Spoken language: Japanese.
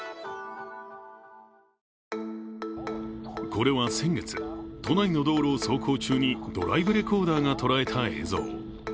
これは先月、都内の道路を走行中にドライブレコーダーがとらえた映像。